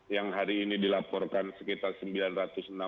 yang hari ini dilaporkan sekitar sembilan ratus enam puluh